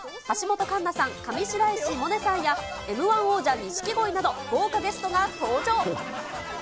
橋本環奈さん、上白石萌音さんや、Ｍー１王者、錦鯉など、豪華ゲストが登場。